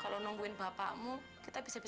kalau nungguin bapakmu kita bisa bisa